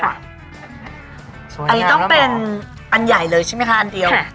อันนี้ต้องเป็นอันใหญ่เลยใช่ไหมคะอันเดียว